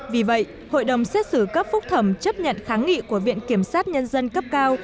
vì vậy hội đồng xét xử cấp phúc thẩm chấp nhận kháng nghị của viện kiểm sát nhân dân cấp cao